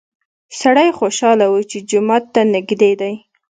سړی خوشحاله و چې جومات ته نږدې دی.